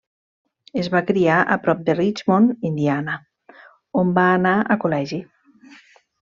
Es va criar a prop de Richmond, Indiana, on va anar al col·legi.